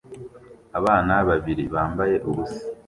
Abana babiri bambaye ubusa